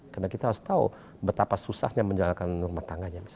karena kita harus tahu betapa susahnya menjalankan rumah tangganya